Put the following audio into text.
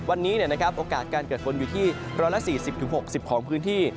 วันนี้โอกาสการเกิดฝนอยู่ที่๑๔๐๖๐ของพื้นที่